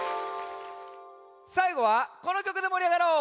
さいごはこのきょくでもりあがろう！